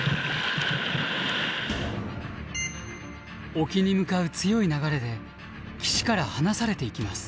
沖に向かう強い流れで岸から離されていきます。